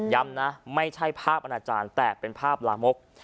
นะไม่ใช่ภาพอนาจารย์แต่เป็นภาพลามก